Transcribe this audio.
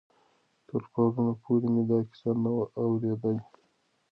تر پرون پورې مې دا کیسه نه وه اورېدلې.